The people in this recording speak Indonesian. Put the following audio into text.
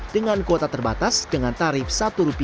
dengan kuota terbatas dengan tarif rp satu